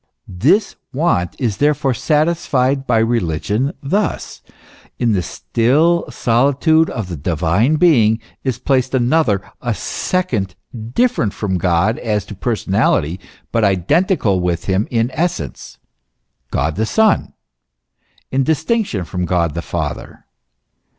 This want is therefore satisfied by religion thus: in the still solitude of the divine being is placed another, a second, different from God as to personality, but identical with him in essence, God the Son, in distinc tion from God the Father.